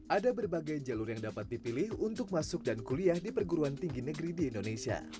ada berbagai jalur yang dapat dipilih untuk masuk dan kuliah di perguruan tinggi negeri di indonesia